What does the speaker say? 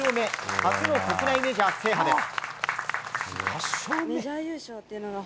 初の国内メジャー制覇です。